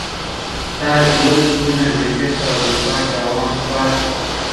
تاسي ولي دونه بې فکره او بې باکه روان سواست؟